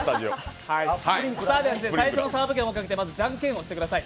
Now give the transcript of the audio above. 最初のサーブ権をかけてじゃんけんしてください。